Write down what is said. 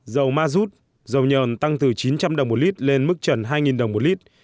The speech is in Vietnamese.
dầu mazut dầu nhờn tăng từ chín trăm linh đồng mỗi lít lên mức trần hai đồng mỗi lít